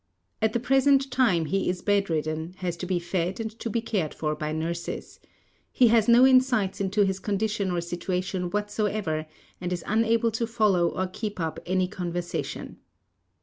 At the present time he is bedridden, has to be fed and to be cared for by nurses. He has no insight into his condition or situation whatsoever and is unable to follow or keep up any conversation.